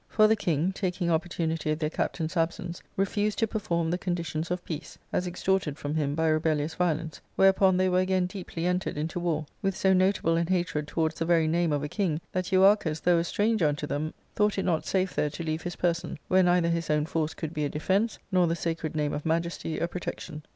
For the king, taking opportunity of their captain's absence, refused to perform the conditions of peace, as extorted from him by rebellious violence ; whereupon they were again deeply entered into war, with so notable an hatred towards the very name of a king that Euarchus, though a stranger unto them, thought it not safe there to leave his person, where neither his own force could be a defence, nor the sacred name of majesty a protection.